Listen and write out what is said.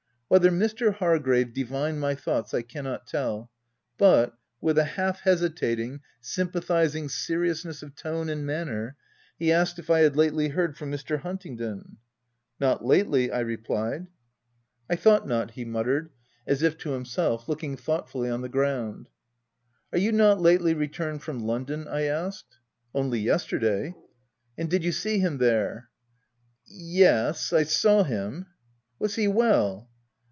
Whether Mr. Hargrave divined my thoughts, I cannot tell, but, with a half hesitating, sympathizing seriousness of tone and manner, he asked if I had lately heard from Mr. Huntingdon. " Not lately." I replied. 168 THE TENANT " I thought not," he muttered, as if to him self, looking thoughtfully on the ground. " Are you not lately returned from London ?" I asked. u Only yesterday." " And did you see him there ?"" Yes — I saw him." " Was he well